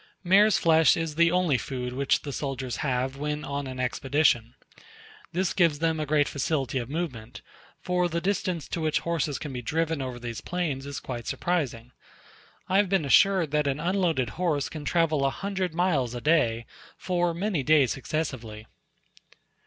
Mare's flesh is the only food which the soldiers have when on an expedition. This gives them a great facility of movement; for the distance to which horses can be driven over these plains is quite surprising: I have been assured that an unloaded horse can travel a hundred miles a day for many days successively.